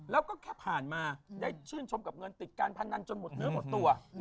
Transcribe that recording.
แล้วก็แค่ผ่านมาได้ชื่นชมกับเงินติดการพนันจนหมดเนื้อหมดตัว